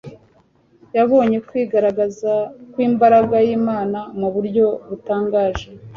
yabonye kwigaragaza kw’imbaraga y’Imana mu buryo butangaje